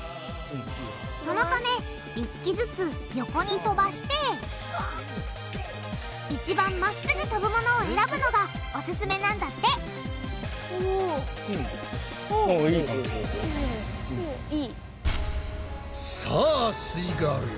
そのため１機ずつ横に飛ばして一番真っ直ぐ飛ぶものを選ぶのがオススメなんだってさあすイガールよ！